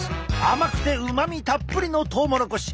甘くてうまみたっぷりのトウモロコシ。